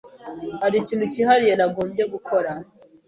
Hari ikintu cyihariye nagombye gukora?